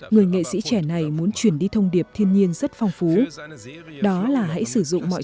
người nghệ sĩ trẻ này muốn chuyển đi thông điệp thiên nhiên rất phong phú đó là hãy sử dụng mọi